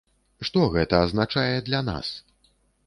Што гэта азначае для нас?